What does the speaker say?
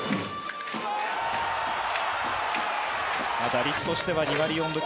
打率としては２割４分３厘。